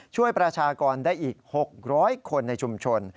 ประชากรได้อีก๖๐๐คนในชุมชน